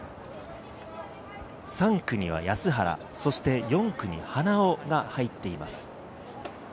３区には安原、そして４区に花尾が入っています。